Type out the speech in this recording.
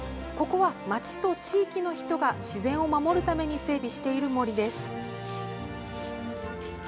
ここは町と地域の人が自然を守るために整備している森です。